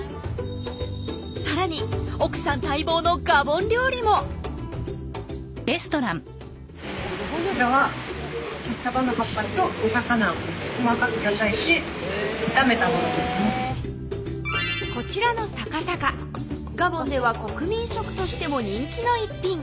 さらに奥さん待望のガボン料理もこちらはこちらのサカサカガボンでは国民食としても人気の一品